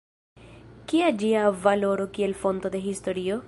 Kia ĝia valoro kiel fonto de historio?